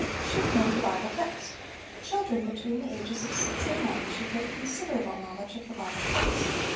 Should know the Bible Text. Children between the ages of six and nine should get a considerable knowledge of the Bible text.